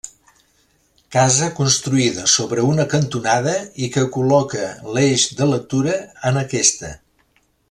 Casa construïda sobre una cantonada i que col·loca l'eix de lectura en aquesta.